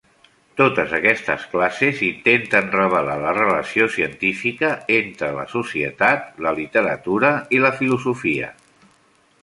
Totes aquestes classes intenten revelar la relació científica entre la societat, la literatura i la filosofia.